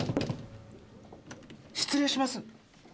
失礼します。